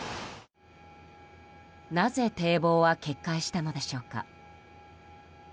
なぜ堤防は決壊したのでしょうか。